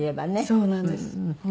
そうなんです。